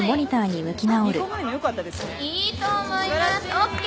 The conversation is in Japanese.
ＯＫ。